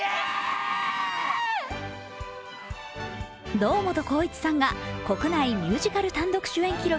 堂本光一さんが国内ミュージカル単独主演記録